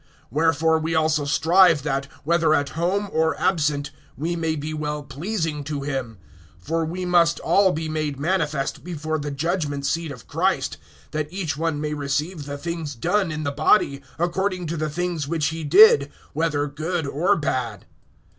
(9)Wherefore we also strive, that, whether at home or absent, we may be well pleasing to him. (10)For we must all be made manifest before the judgment seat of Christ; that each one may receive the things done in the body, according to the things which he did, whether good or bad.